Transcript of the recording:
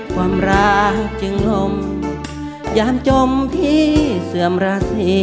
ความรักจึงลมยามจมพี่เสื่อมราศี